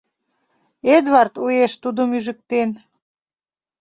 Эдвард уэш тудым ӱжыктен.